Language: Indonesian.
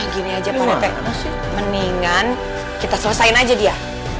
gini aja pak netes mendingan kita selesain aja dia